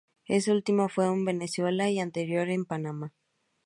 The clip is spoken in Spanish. El último fue en Venezuela y el anterior en Panamá.